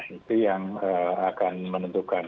itu yang akan menentukan